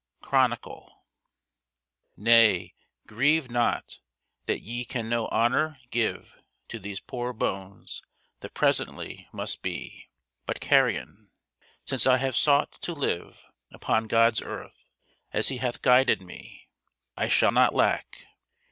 Chronicle. "Nay, grieve not that ye can no honour give To these poor bones that presently must be But carrion; since I have sought to live Upon God's earth, as He hath guided me, I shall not lack!